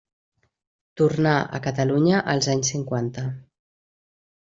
Tornà a Catalunya als anys cinquanta.